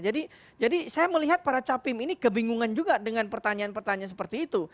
jadi saya melihat para capim ini kebingungan juga dengan pertanyaan pertanyaan seperti itu